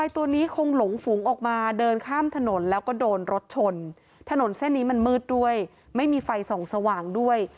ตรงแสนนี้มันมืดด้วยไม่มีไฟส่องสว่างด้วย